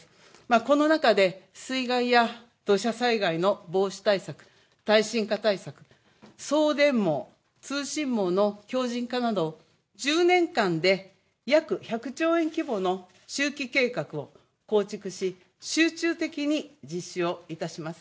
この中で水害や土砂災害の防止対策、耐震化対策、送電網、通信網の強じん化など１０年間で約１００兆円規模の中期計画を構築し集中的に実施をいたします。